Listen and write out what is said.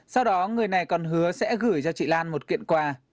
sau đó người này còn hứa sẽ gửi cho chị lan một kiện quà